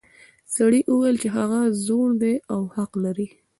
سړي وویل چې هغه زوړ دی او حق لري.